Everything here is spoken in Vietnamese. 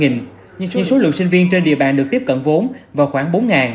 nhưng số lượng sinh viên trên địa bàn được tiếp cận vốn vào khoảng bốn